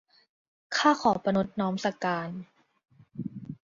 ข้าขอประณตน้อมสักการ